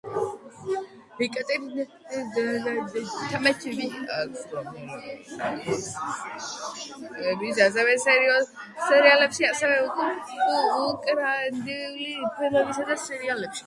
ეკატერინას ნათამაშები აქვს როლები როგორც რუსულ ფილმებსა და სერიალებში, ასევე უკრაინულ ფილმებსა და სერიალებში.